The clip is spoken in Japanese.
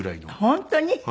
本当に？